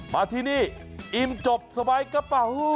มาที่นี่อิ่มจบสบายกระเป๋า